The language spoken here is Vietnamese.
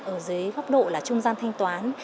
ở dưới góc độ là trung gian thanh toán